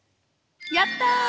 やった！